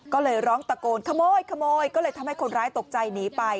ก็เลยร้องตะโกนขโมยขโมยก็เลยทำให้คนร้ายตกใจหนีไป